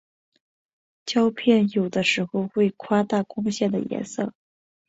胶片有的时候会夸大光线的颜色。